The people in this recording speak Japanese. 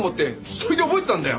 それで覚えてたんだよ。